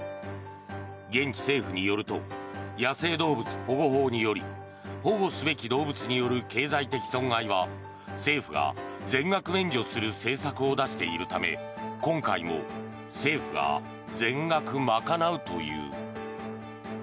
現地政府によると野生動物保護法により保護すべき動物による経済的損害は政府が全額免除する政策を出しているため今回も政府が全額賄うという。